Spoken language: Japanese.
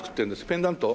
ペンダント？